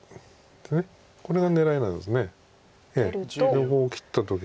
両方切った時に。